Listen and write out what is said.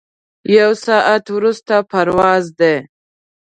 یو ساعت وروسته پرواز دی.